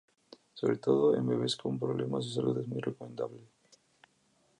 Sobre todo en bebes con problemas de salud es muy recomendable.